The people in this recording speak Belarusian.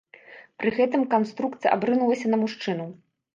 Пры гэтым канструкцыя абрынулася на мужчыну.